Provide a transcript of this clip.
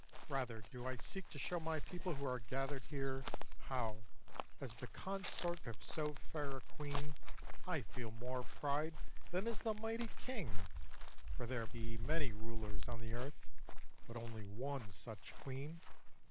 Rather do I seek To show my people who are gathered here How, as the consort of so fair a queen, I feel more pride than as the mighty king: For there be many rulers on the earth, But only one such queen.